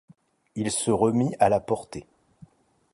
Il se remit à la porter.